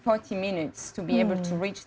untuk empat puluh menit untuk berjalan ke wilayah itu